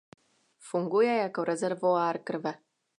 Funguje jako rezervoár krve.